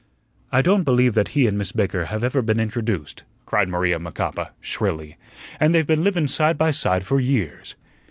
"I don't believe that he an' Miss Baker have ever been introduced," cried Maria Macapa, shrilly, "an' they've been livin' side by side for years."